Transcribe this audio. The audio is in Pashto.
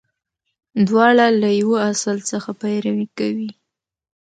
• دواړه له یوه اصل څخه پیروي کوي.